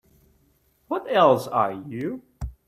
What else are you?